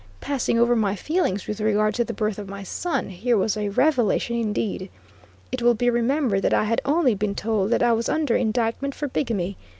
Passing over my feelings with regard to the birth of my son, here was a revelation indeed! It will be remembered that I had only been told that I was under indictment for bigamy.